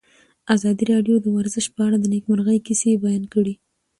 ازادي راډیو د ورزش په اړه د نېکمرغۍ کیسې بیان کړې.